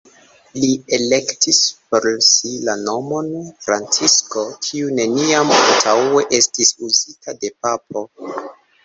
Li elektis por si la nomon Francisko, kiu neniam antaŭe estis uzita de papo.